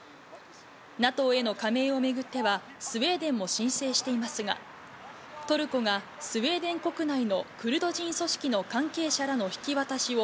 ＮＡＴＯへの加盟を巡っては、スウェーデンも申請していますが、トルコがスウェーデン国内のクルド人組織の関係者らの引き渡しを